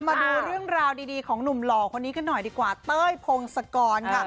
มาดูเรื่องราวดีของหนุ่มหล่อคนนี้กันหน่อยดีกว่าเต้ยพงศกรค่ะ